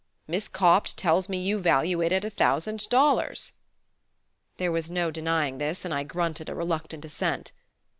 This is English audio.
Miss Copt tells me you value it at a thousand dollars." There was no denying this, and I grunted a reluctant assent.